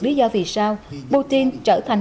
lý do vì sao putin trở thành